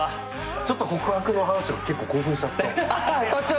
ちょっと告白の話とか結構興奮しちゃった。